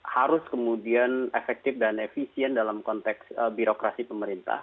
harus kemudian efektif dan efisien dalam konteks birokrasi pemerintah